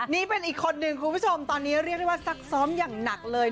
นี่เป็นอีกคนนึงคุณผู้ชมตอนนี้เรียกได้ว่าซักซ้อมอย่างหนักเลย